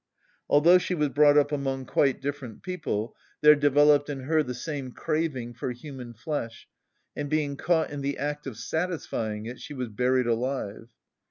Although she was brought up among quite different people, there developed in her the same craving for human flesh, and being caught in the act of satisfying it, she was buried alive.